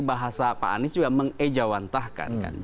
bahasa pak anies juga mengejawantahkan